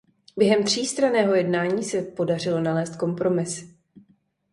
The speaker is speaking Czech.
Během třístranného jednání se podařilo nalézt kompromis.